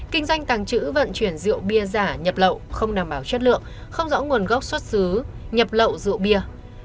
một mươi hai kinh doanh tàng trữ vận chuyển rượu bia giả nhập lậu không đảm bảo chất lượng không rõ nguồn gốc xuất xứ nhập lậu rượu bia